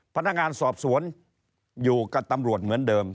พนักงานสอบสวนอยู่กับตำรวจเหมือนเดิม